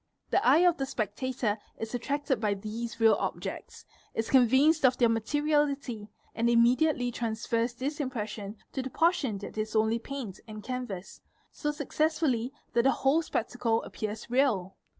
The eye of the spectator is attracted by these objects, is convinced of their materiality, and immediately transfers is impression to the portion that is only paint and canvass, so success fully that the whole spectacle appears real.